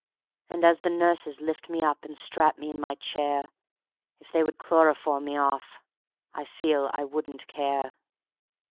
And as the nurses lift me up and strap me in my chair, If they would chloroform me off I feel I wouldn't care.